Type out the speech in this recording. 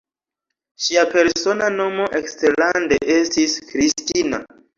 Ŝia persona nomo eksterlande estis Kristina.